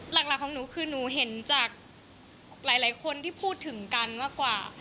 หลักของหนูคือหนูเห็นจากหลายคนที่พูดถึงกันมากกว่า